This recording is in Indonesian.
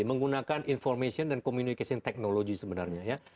menggunakan information dan communication technology sebenarnya ya